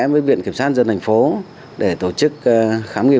với viện kiểm sát dân thành phố để tổ chức khám nghiệm